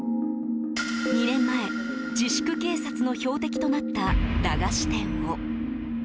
２年前、自粛警察の標的となった駄菓子店を。